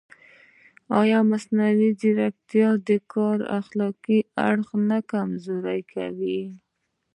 ایا مصنوعي ځیرکتیا د کار اخلاقي اړخ نه کمزوری کوي؟